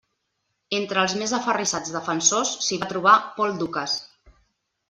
Entre els més aferrissats defensors s'hi va trobar Paul Dukas.